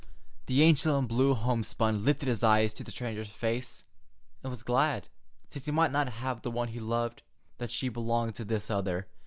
The angel in blue homespun lifted his eyes to the stranger's face, and was glad, since he might not have the one he loved, that she belonged to this other.